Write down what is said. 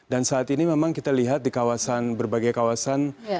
dan saat ini memang kita lihat di kawasan berbagai kawasan